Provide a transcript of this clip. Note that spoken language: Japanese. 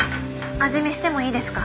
味見してもいいですか？